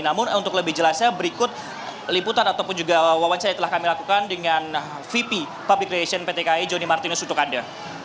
namun untuk lebih jelasnya berikut liputan ataupun juga wawancara yang telah kami lakukan dengan vp publicreation pt kai joni martinus untuk anda